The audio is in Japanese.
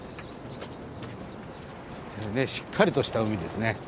しっかりとした海ですね。